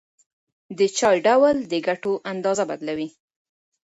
د چای ډول د ګټو اندازه بدلوي.